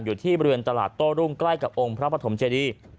อยู่ที่บริเวณตลาดโต้รุ่งใกล้กับองค์พระปฐมเจดี